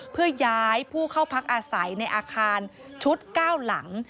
เพื่อย้ายผู้เข้าพักอาศัยในอาคารชุด๙หลัง